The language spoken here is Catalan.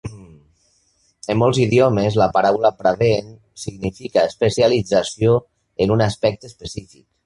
En molts idiomes la paraula "praveen" significa especialització en un aspecte específic.